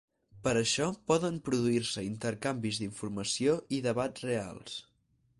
Per això, poden produir-se intercanvis d'informació i debats reals.